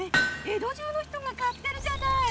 江戸中の人が買ってるじゃない！